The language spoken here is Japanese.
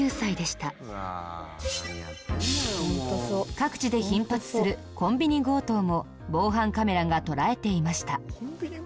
各地で頻発するコンビニ強盗も防犯カメラが捉えていました。